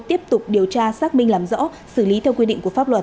tiếp tục điều tra xác minh làm rõ xử lý theo quy định của pháp luật